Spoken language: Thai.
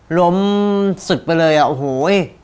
หลมสึกไปเลยอะโอ้โหย